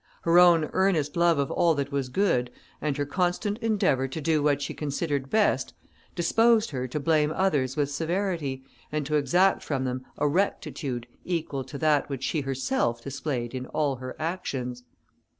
Her own earnest love of all that was good, and her constant endeavour to do what she considered best, disposed her to blame others with severity, and to exact from them a rectitude, equal to that which she herself displayed in all her actions.